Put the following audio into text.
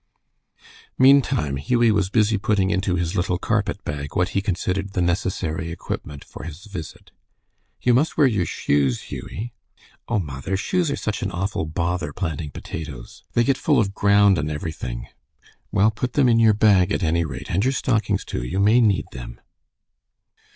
Meantime Hughie was busy putting into his little carpet bag what he considered the necessary equipment for his visit. "You must wear your shoes, Hughie." "Oh, mother, shoes are such an awful bother planting potatoes. They get full of ground and everything." "Well, put them in your bag, at any rate, and your stockings, too. You may need them."